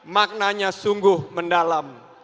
maknanya sungguh mendalam